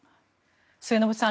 末延さん